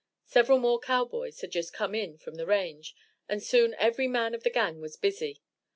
Several more cowboys had just come in from the range, and soon every man of the gang was busy.